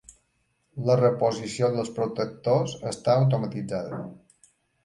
La reposició dels protectors està automatitzada.